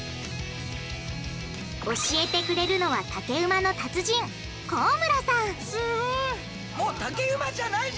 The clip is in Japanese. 教えてくれるのは竹馬の達人高村さんすごい！